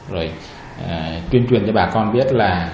rồi truyền truyền cho bà con biết là